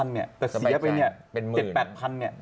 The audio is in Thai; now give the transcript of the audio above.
แต่เสียไป๗๘๐๐๐บาท